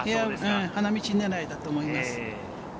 花道狙いだと思います。